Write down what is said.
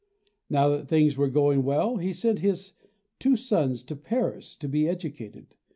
Now that things were going well, he sent his two sons to Paris to be educated.